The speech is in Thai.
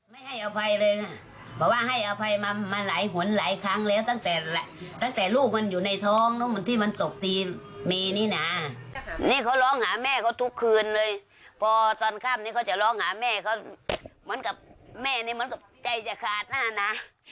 แม่เขาเหมือนกับแม่นี่เหมือนกับใจจะขาดหน้าน่ะ